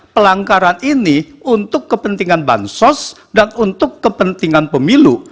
pelanggaran ini untuk kepentingan bansos dan untuk kepentingan pemilu